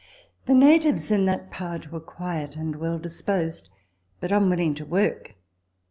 The natives in that part were quiet and well disposed, but unwilling to work.